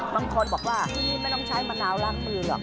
บางคนบอกว่าที่นี่ไม่ต้องใช้มะนาวล้างมือหรอก